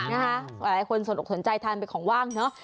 มีหลายคนสนใจทานเป็นของว่างเนาะ